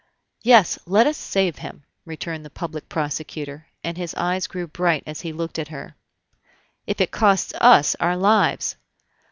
"Yes, let us save him!" returned the public prosecutor, and his eyes grew bright as he looked at her, "if it costs us our lives!"